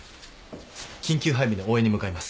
緊急配備の応援に向かいます。